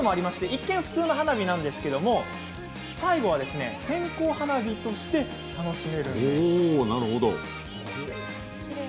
一見、普通の花火ですが最後は線香花火として楽しめるんです。